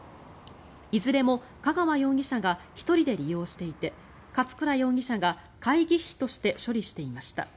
いずれも香川容疑者が１人で利用していて勝倉容疑者が会議費として処理していました。